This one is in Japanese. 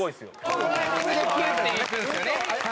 このタイミングでピュッていくんですよね。